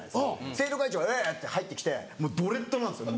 生徒会長がうわって入ってきてドレッドなんですよ